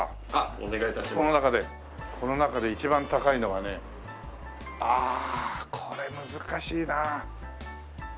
この中で一番高いのはねああこれ難しいな。